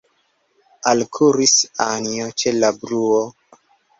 Alkuris Anjo ĉe la bruo.